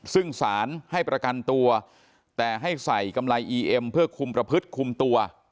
ซึ่งสารให้ประกันตัวแต่ให้ใส่กำไรอีเอ็มเพื่อคุมประพฤติคุมตัว